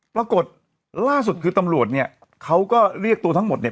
ปรากฏล่าสุดคือตำรวจเนี่ยเขาก็เรียกตัวทั้งหมดเนี่ย